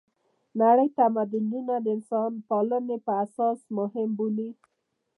نړۍ تمدونونه د انسانپالنې په اساس مهم بولي.